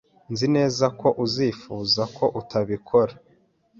Nzi neza ko uzifuza ko utabikora.